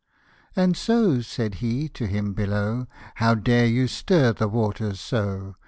' t And so," said he to him below, " How dare you stir the water so